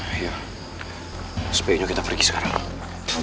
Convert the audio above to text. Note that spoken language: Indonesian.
akhirnya sebaiknya kita pergi sekarang